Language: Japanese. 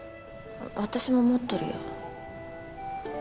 私も持っとるよ